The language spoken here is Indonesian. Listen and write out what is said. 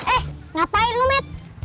eh ngapain lu met